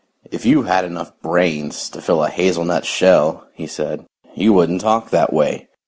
"If you had enough brains to fill a hazelnut shell," he said, "you wouldn't talk that way.